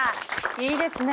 いいですね。